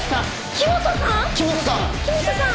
黄本さん！